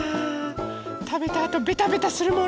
たべたあとベタベタするもんね。